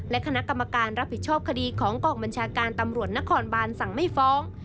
และคณะกรรมการรับผิดชอบคดีของกองบัญชาการตำรวจนครบานสั่งไม่ฟ้อง